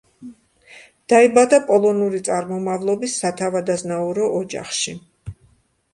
დაიბადა პოლონური წარმომავლობის სათავადაზნაურო ოჯახში.